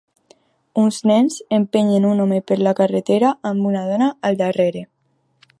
Uns nens empenyen un home per la carretera amb una dona al darrere.